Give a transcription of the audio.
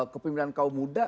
kepimpinan kaum muda